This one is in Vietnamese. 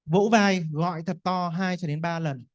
vỗ vai gọi thật to hai ba lần